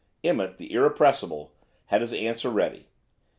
Emmett, the irrepressible, had his answer ready.